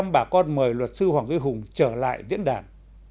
một trăm linh bà con mời luật sư hoàng duy hùng trở lại viễn đàn